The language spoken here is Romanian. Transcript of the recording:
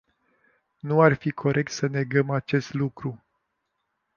Nu ar fi corect să negăm acest lucru.